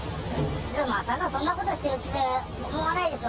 まさかそんなことしてるって思わないでしょ。